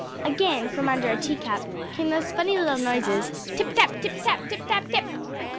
Again from under a tea cup, came those funny little noises _Tip tap, tip tap, Tip tap tip!